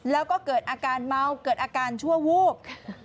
แล้วก็เกิดอาการเมาเกิดอาการชั่ววูบ